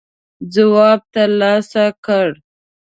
ځواب تر لاسه کړ.